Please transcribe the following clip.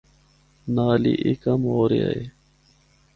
نال ہی اے کم ہو رہیا اے۔